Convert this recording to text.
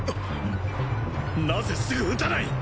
なぜすぐ撃たない？